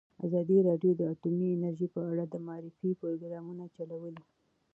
ازادي راډیو د اټومي انرژي په اړه د معارفې پروګرامونه چلولي.